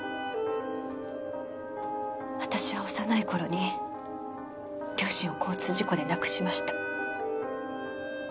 私は幼い頃に両親を交通事故で亡くしました。